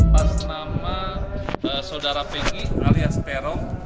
pas nama saudara peggy alias perong